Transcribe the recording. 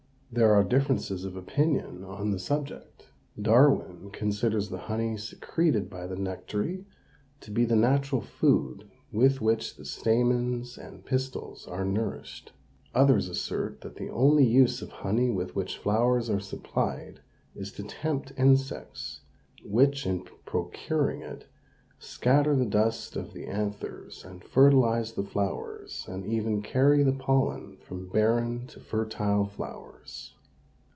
There are differences of opinion on the subject. Darwin considers the honey secreted by the nectary to be the natural food with which the stamens and pistils are nourished. Others assert that the only use of honey with which flowers are supplied is to tempt insects, which, in procuring it, scatter the dust of the anthers and fertilize the flowers, and even carry the pollen from barren to fertile flowers.